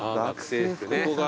ここが。